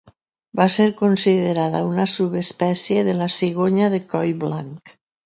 Va ser considerada una subespècie de la cigonya de coll blanc.